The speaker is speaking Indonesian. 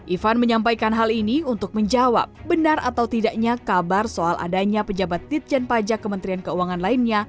ivan menyampaikan hal ini untuk menjawab benar atau tidaknya kabar soal adanya pejabat ditjen pajak kementerian keuangan lainnya